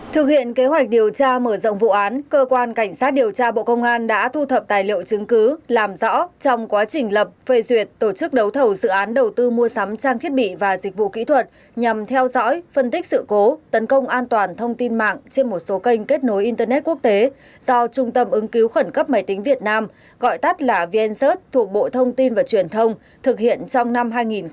thực hiện kế hoạch điều tra mở rộng vụ án cơ quan cảnh sát điều tra bộ công an đã thu thập tài liệu chứng cứ làm rõ trong quá trình lập phê duyệt tổ chức đấu thầu dự án đầu tư mua sắm trang thiết bị và dịch vụ kỹ thuật nhằm theo dõi phân tích sự cố tấn công an toàn thông tin mạng trên một số kênh kết nối internet quốc tế do trung tâm ứng cứu khẩn cấp máy tính việt nam gọi tắt là vnsearch thuộc bộ thông tin và truyền thông thực hiện trong năm hai nghìn một mươi bảy